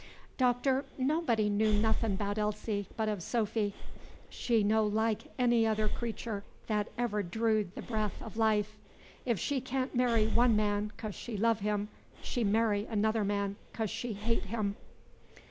"Doctor, nobody know nothin' 'bout Elsie but of Sophy. She no like any other creator' th't ever drawed the bref o' life. If she ca'n' marry one man 'cos she love him, she marry another man 'cos she hate him."